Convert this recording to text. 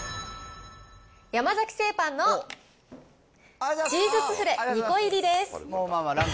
山崎製パンのチーズスフレ２個入りです。